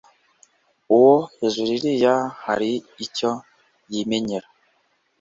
uwo hejuru iriya hari icyo yimenyera